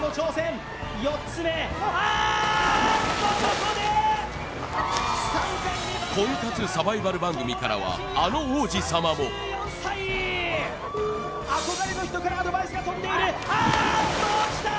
あーっとここで婚活サバイバル番組からはあの王子様も憧れの人からアドバイスが飛んでいるあっと落ちたー！